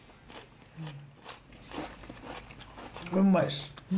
これ、うまいです。